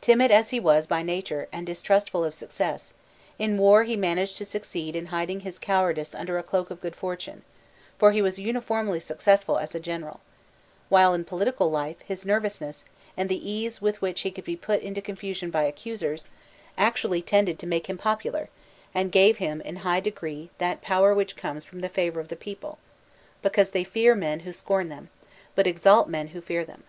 Timid as he was by nature, and distrustful of success, in war he managed to succeed in hiding his cowardice under a cloak of good fortune, for he was uniformly success ful as a general; while in political life his nervous ness, and the ease with which he could be put to confusion by accusers, actually tended to make him popular, and gave him in high degree that power which comes from the favour of the people, because they fear men who scorn them, but exalt men who fear them.